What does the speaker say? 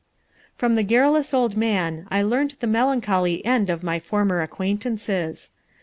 From the garrulous old man I learned the melancholy end of my former acquaintances.